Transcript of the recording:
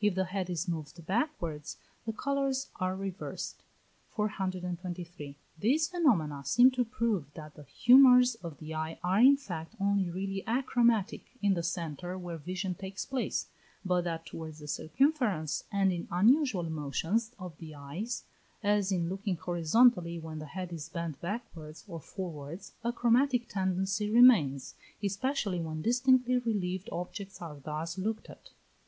If the head is moved backwards the colours are reversed. 423. These phenomena seem to prove that the humours of the eye are in fact only really achromatic in the centre where vision takes place, but that towards the circumference, and in unusual motions of the eyes, as in looking horizontally when the head is bent backwards or forwards, a chromatic tendency remains, especially when distinctly relieved objects are thus looked at.